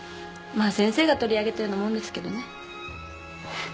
まあ先生が取り上げたようなもんですけどね。